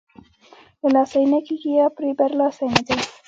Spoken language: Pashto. له لاسه یې نه کېږي یا پرې برلاسۍ نه دی.